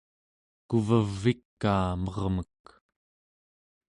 kuvevikaa mermek